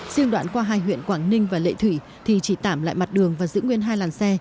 riêng đoạn qua hai huyện quảng ninh và lệ thủy thì chỉ tảm lại mặt đường và giữ nguyên hai làn xe